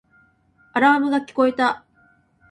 アラームが聞こえた